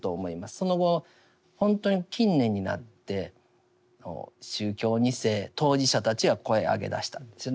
その後ほんとに近年になって宗教２世当事者たちが声を上げだしたんですよね。